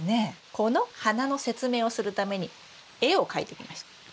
この花の説明をするために絵を描いてきました。